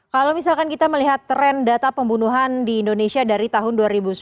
kalau misalkan kita melihat tren data pembunuhan di indonesia dari tahun dua ribu sembilan belas